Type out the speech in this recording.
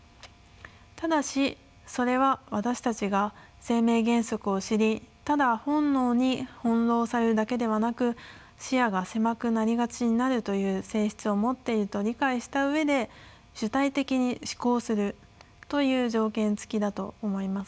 ただしそれは私たちが生命原則を知りただ本能に翻弄されるだけではなく視野が狭くなりがちになるという性質を持っていると理解した上で主体的に思考するという条件つきだと思います。